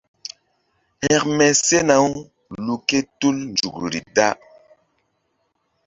Hȩkme sena-u lu ké tul nzukri da.